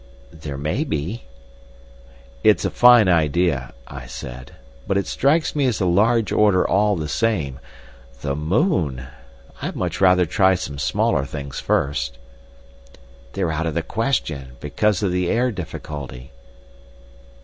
"There may be." "It's a fine idea," I said, "but it strikes me as a large order all the same. The moon! I'd much rather try some smaller things first." "They're out of the question, because of the air difficulty."